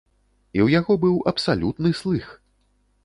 І ў яго быў абсалютны слых!